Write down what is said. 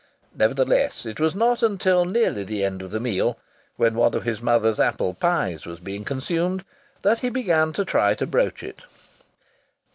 Nevertheless, it was not until nearly the end of the meal when one of his mother's apple pies was being consumed that he began to try to broach it.